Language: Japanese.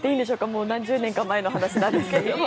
もう何十年か前の話なんですけど。